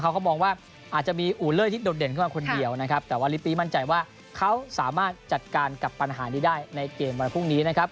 เขาก็มองว่าอาจจะมีอูเล่ที่โดดเด่นขึ้นมาคนเดียวนะครับแต่ว่าลิปปี้มั่นใจว่าเขาสามารถจัดการกับปัญหานี้ได้ในเกมวันพรุ่งนี้นะครับ